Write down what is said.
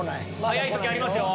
早い時ありますよ。